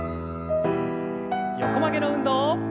横曲げの運動。